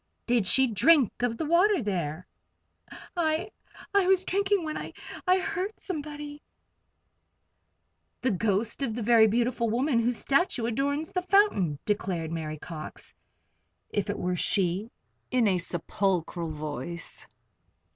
"Did she drink of the water there?" "I I was drinking it when I I heard somebody " "The ghost of the very beautiful woman whose statue adorns the fountain," declared Mary Cox, if it were she, in a sepulchral voice.